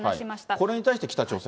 これに対して北朝鮮。